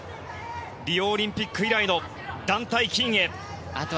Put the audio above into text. リオオリンピック以来の団体金へ。